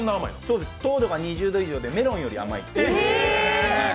糖度が２０度以上でメロンより甘い。